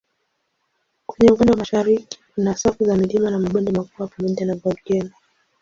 Kwenye upande wa mashariki kuna safu za milima na mabonde makubwa pamoja na volkeno.